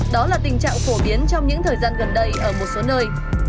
đó là tình trạng phổ biến trong những thời gian gần đây ở một số nơi